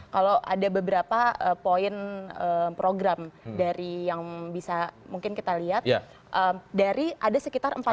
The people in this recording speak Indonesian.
kalau ada beberapa poin program dari yang bisa mungkin kita lihat dari ada sekitar empat puluh